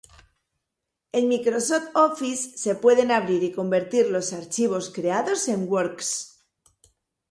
En Microsoft Office se pueden abrir y convertir los archivos creados en Works.